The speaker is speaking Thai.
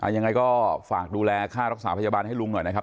ยังไงก็ฝากดูแลค่ารักษาพยาบาลให้ลุงหน่อยนะครับ